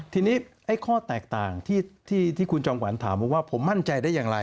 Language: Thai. ทีนี้ไอ้ข้อแตกต่างที่คุณจอมขวัญถามว่าผมมั่นใจได้อย่างไร